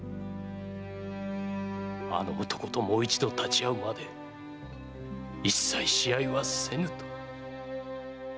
あの男ともう一度立ち合うまで一切試合はせぬと！